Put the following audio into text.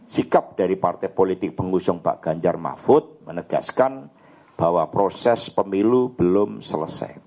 sikap dari partai politik pengusung pak ganjar mahfud menegaskan bahwa proses pemilu belum selesai